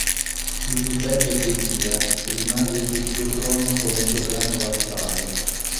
Il ribelle Ezechia rimase sul suo trono come sovrano vassallo.